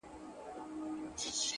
د همدې شپې په سهار کي يې ويده کړم!!